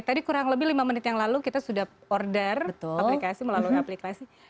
tadi kurang lebih lima menit yang lalu kita sudah order aplikasi melalui aplikasi